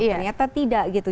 ternyata tidak gitu